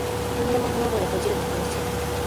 なんでも玉子でとじるの禁止